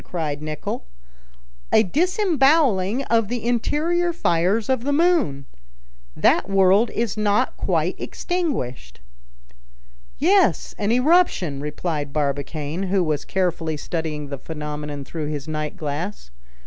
cried Nicholl; "a disemboweling of the interior fires of the moon! That world is not quite extinguished." "Yes, an eruption," replied Barbicane, who was carefully studying the phenomenon through his night glass.